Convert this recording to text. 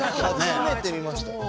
初めて見ました。